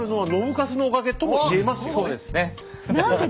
そうですね。